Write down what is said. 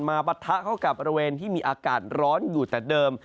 ปะทะเข้ากับบริเวณที่มีอากาศร้อนอยู่แต่เดิม